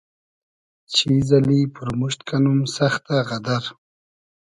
چیز اللی پورموشت کئنوم سئختۂ غئدئر